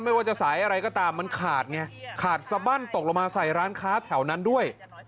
ไม่ว่าจะสายอะไรก็ตามมันขาดไงขาดสบั้นตกลงมาใส่ร้านค้าแถวนั้นด้วย